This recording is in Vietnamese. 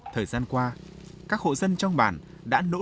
thời gian qua các hộ dân trong bản mông phong khuông